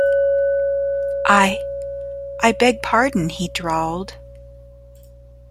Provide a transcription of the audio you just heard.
I, I beg pardon, he drawled.